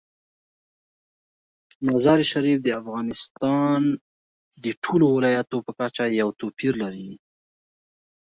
مزارشریف د افغانستان د ټولو ولایاتو په کچه یو توپیر لري.